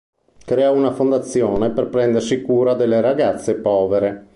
Creò una fondazione per prendersi cura delle ragazze povere.